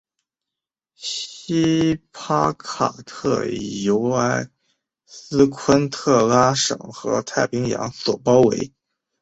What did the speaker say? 锡帕卡特由埃斯昆特拉省和太平洋所包围。